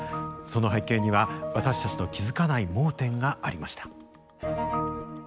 その背景には私たちの気付かない盲点がありました。